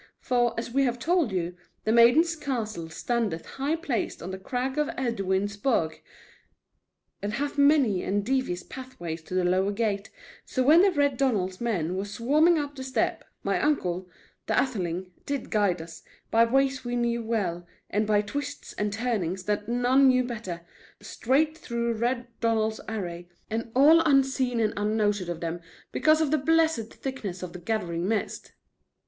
For, as we have told you, the Maiden's Castle standeth high placed on the crag in Edwin's Burgh, and hath many and devious pathways to the lower gate, So when the Red Donald's men were swarming up the steep, my uncle, the Atheling, did guide us, by ways we knew well, and by twists and turnings that none knew better, straight through Red Donald's array, and all unseen and unnoted of them, because of the blessed thickness of the gathering mist."